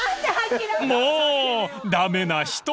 ［もう駄目な人］